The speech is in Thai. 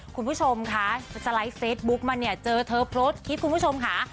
คุณผู้ชมคะสไลด์เฟซบุ๊กมาเนี่ยเจอเธอโพสต์คลิปคุณผู้ชมค่ะ